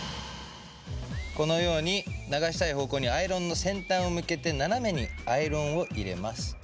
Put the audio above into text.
このように流したい方向にアイロンの先端を向けてナナメにアイロンを入れます。